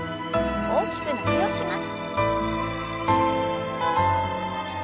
大きく伸びをします。